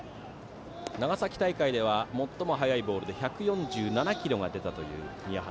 長崎大会では最も速いボールで１４７キロが出たという宮原。